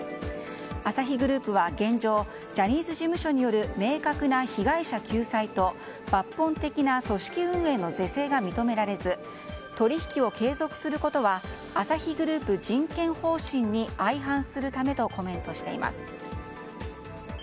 アサヒグループは現状、ジャニーズ事務所による明確な被害者救済と抜本的な組織運営の是正が認められず取引を継続することはアサヒグループ人権方針に相反するためとコメントしています。